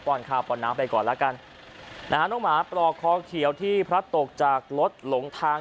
ข้าวป้อนน้ำไปก่อนแล้วกันนะฮะน้องหมาปลอกคอเขียวที่พลัดตกจากรถหลงทาง